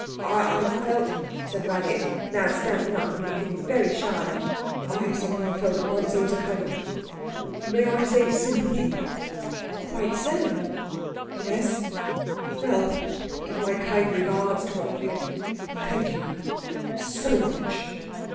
'I I felt,' said Raggett, now standing up and looking very shy, 'I somehow felt at once that there was a kind of may I say, sympathy?' 'Quite so.' 'Yes? Well, give my kind regards to Ottley, and thank you so much.'